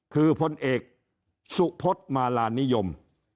คือพลเอกสุพศมาลานิยม